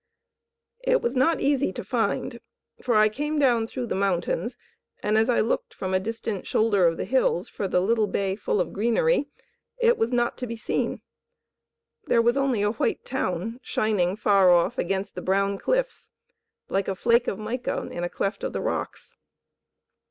It was not easy to find, for I came down through the mountains, and as I looked from a distant shoulder of the hills for the little bay full of greenery, it was not to be seen. There was only a white town shining far off against the brown cliffs, like a flake of mica in a cleft of the rocks.